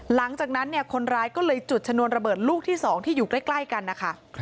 หลังจากนั้นเนี่ยคนร้ายก็เลยจุดชนวนระเบิดลูกที่๒ที่อยู่ใกล้กันนะคะ